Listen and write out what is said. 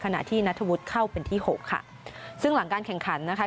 ขณะที่นัทธวุฒิเข้าเป็นที่หกค่ะซึ่งหลังการแข่งขันนะคะ